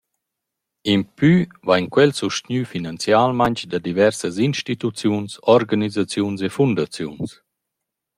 Implü vain quel sustgnü finanzialmaing da diversas instituziuns, organisaziuns e fundaziuns.